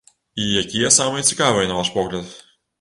І якія самыя цікавыя на ваш погляд?